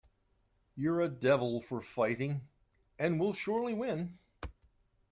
You're a devil for fighting, and will surely win.